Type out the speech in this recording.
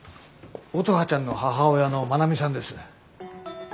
乙葉ちゃんの母親の真奈美さんです。